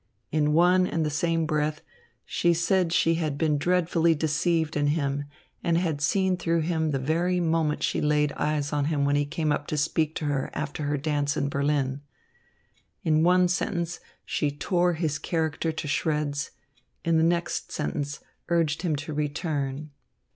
In one and the same breath, she said she had been dreadfully deceived in him and had seen through him the very moment she laid eyes on him when he came up to speak to her after her dance in Berlin. In one sentence she tore his character to shreds, in the next sentence urged him to return.